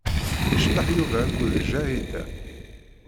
Iceṭṭeḥ Yuba akked Ǧahida.